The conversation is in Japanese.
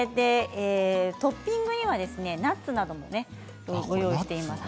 トッピングにはナッツなどをご用意しています。